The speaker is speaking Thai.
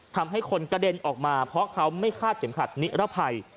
ทำให้คนกระเด็นออกมาเพราะเขาไม่คาดเข็มขัดนิรภัย